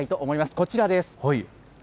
こちらです。